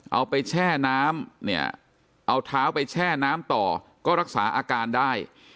แช่น้ำเนี่ยเอาเท้าไปแช่น้ำต่อก็รักษาอาการได้